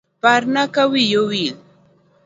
Parna kawiya owil.